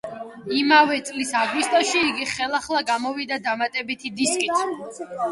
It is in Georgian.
იმავე წლის აგვისტოში იგი ხელახლა გამოვიდა, დამატებითი დისკით.